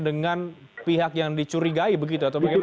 dengan pihak yang dicurigai begitu atau bagaimana